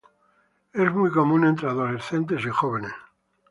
Es muy común entre adolescentes y jóvenes.